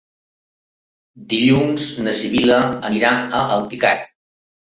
Dilluns na Sibil·la anirà a Alpicat.